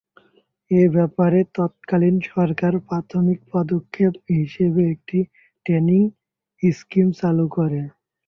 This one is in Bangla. এ ব্যাপারে তৎকালীন সরকার প্রাথমিক পদক্ষেপ হিসেবে একটি ট্রেনিং স্কিম চালু করে।